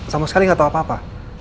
sama sekali nggak tahu apa apa